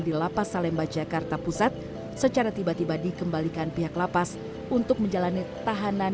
di lapas salemba jakarta pusat secara tiba tiba dikembalikan pihak lapas untuk menjalani tahanan